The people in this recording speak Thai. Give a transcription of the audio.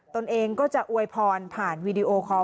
ตนเองก็จะอวยพรผ่านวีดีโอคอล